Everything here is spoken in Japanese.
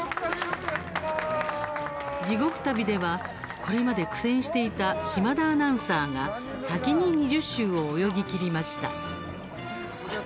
地獄旅では、これまで苦戦していた島田アナウンサーが先に２０周を泳ぎきりました。